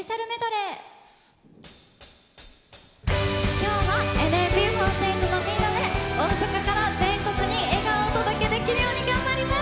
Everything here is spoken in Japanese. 今日はＮＭＢ４８のみんなで大阪から全国に笑顔をお届けできるように頑張ります！